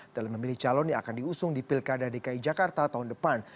dalam memilih calon yang akan diusung di pilkada dki jakarta tahun depan